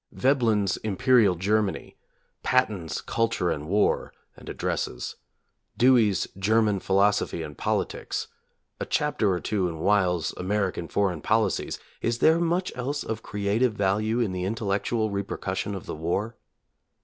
Veblen's "Imperial Germany"; Patten's "Culture and War," and addresses; Dewey's "German Philosophy and Politics"; a chapter or two in Weyl's "American Foreign Policies"; — is there much else of creative value in the intellectual repercussion of the war?